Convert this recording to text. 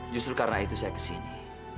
justru karena itu saya kesini